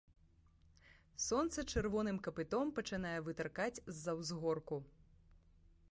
Сонца чырвоным капытом пачынае вытыркаць з-за ўзгорку.